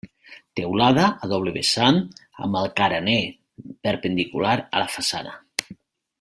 Teulada a doble vessant amb el carener perpendicular a la façana.